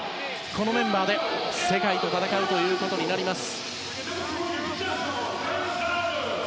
このメンバーで世界と戦うことになります。